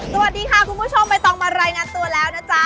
สวัสดีค่ะคุณผู้ชมใบตองมารายงานตัวแล้วนะจ๊ะ